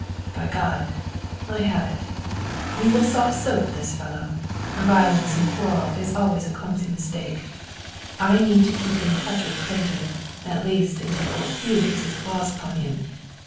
"By God! I have it! We will soft soap this fellow. Violence in quarrel is always a clumsy mistake. I need to keep in touch with Clayton; at least, until old Hugh gets his claws upon him.